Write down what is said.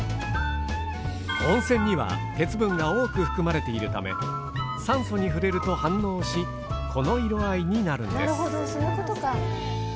温泉には鉄分が多く含まれているため酸素に触れると反応しこの色合いになるんです。